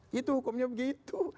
gitu hukumnya begitu